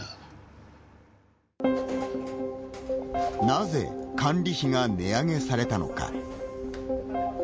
なぜ、管理費が値上げされたのか。